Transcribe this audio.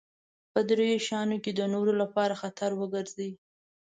په دې درې شيانو کې د نورو لپاره خطر وګرځي.